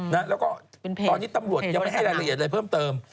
นะแล้วก็ตอนนี้ตำรวจไม่๑๒๓อะไรเพิ่มเติม